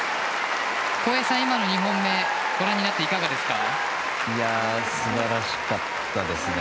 航平さん、今の２本目をご覧になっていかがですか？